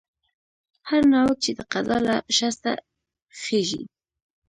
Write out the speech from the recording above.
هر ناوک چې د قضا له شسته خېژي.